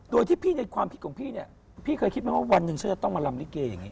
โดยที่พี่ในความคิดของพี่เนี่ยพี่เคยคิดไหมว่าวันหนึ่งฉันจะต้องมาลำลิเกอย่างนี้